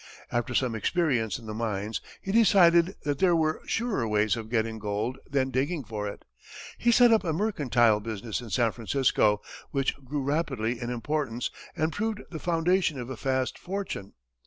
After some experience in the mines, he decided that there were surer ways of getting gold than digging for it, and set up a mercantile business in San Francisco, which grew rapidly in importance and proved the foundation of a vast fortune.